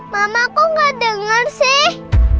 mama kok gak denger sih